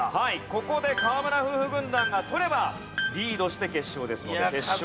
ここで河村夫婦軍団が取ればリードして決勝ですので決勝